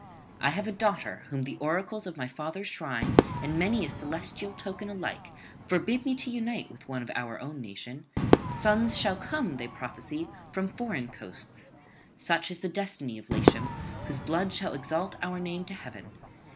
I have a daughter whom the oracles of my father's shrine and many a celestial token alike forbid me to unite to one of our own nation; sons shall come, they prophesy, from foreign coasts, such is the destiny of Latium, whose blood shall exalt our name to heaven.